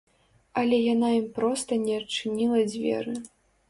Але яна ім проста не адчыніла дзверы.